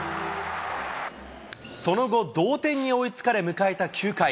その後、同点に追いつかれ、迎えた９回。